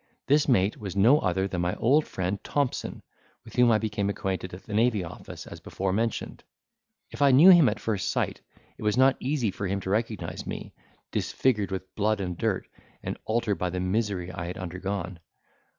This mate was no other than my old friend Thompson, with whom I became acquainted at the Navy Office, as before mentioned. If I knew him at first sight, it was not easy for him to recognise me, disfigured with blood and dirt, and altered by the misery I had undergone.